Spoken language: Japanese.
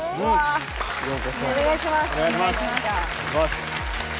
お願いします。